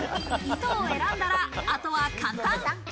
糸を選んだら、あとは簡単。